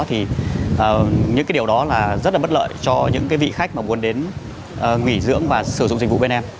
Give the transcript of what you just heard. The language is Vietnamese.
thì những cái điều đó là rất là bất lợi cho những cái vị khách mà muốn đến nghỉ dưỡng và sử dụng dịch vụ bên em